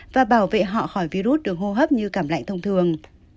và bảo vệ họ khỏi virus đường hô hấp như cảm lạnh thông thường